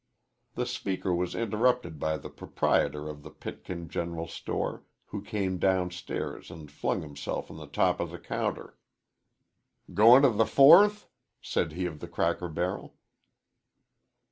The speaker was interrupted by the proprietor of the Pitkin general store, who came downstairs and flung himself on the top of the counter. "Goin't' the Fourth?" said he of the cracker barrel.